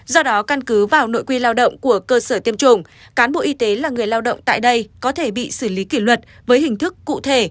do đó căn cứ vào nội quy lao động của cơ sở tiêm chủng cán bộ y tế là người lao động tại đây có thể bị xử lý kỷ luật với hình thức cụ thể